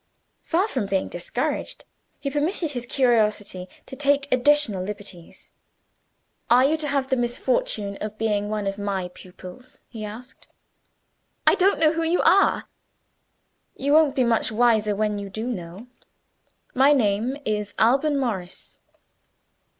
Far from being discouraged, he permitted his curiosity to take additional liberties. "Are you to have the misfortune of being one of my pupils?" he asked. "I don't know who you are." "You won't be much wiser when you do know. My name is Alban Morris."